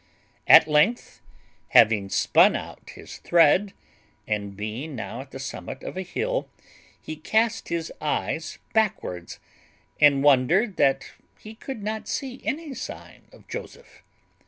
At length, having spun out his thread, and being now at the summit of a hill, he cast his eyes backwards, and wondered that he could not see any sign of Joseph.